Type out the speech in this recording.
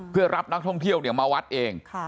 เพื่อรับนักท่องเที่ยวมาวัดเอง